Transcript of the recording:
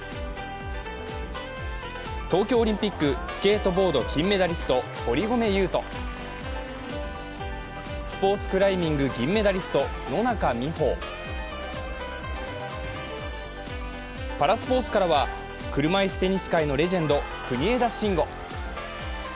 東京オリンピック、スケートボード金メダリスト堀米雄斗、スポーツクライミング銀メダリスト・野中生萌、パラスポーツからは、車いすテニス界のレジェンド・国枝慎吾。